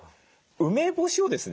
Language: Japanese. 梅干しをですね